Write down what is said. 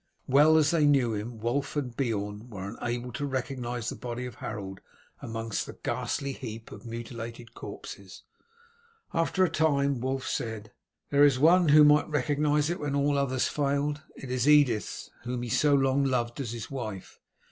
Well as they knew him, Wulf and Beorn were unable to recognize the body of Harold among the ghastly heap of mutilated corpses. After a time Wulf said: "There is one who might recognize it when all others failed. It is Edith, whom he so long loved as his wife.